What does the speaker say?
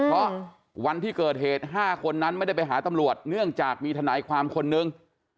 เพราะวันที่เกิดเหตุ๕คนนั้นไม่ได้ไปหาตำรวจเนื่องจากมีทนายความคนนึง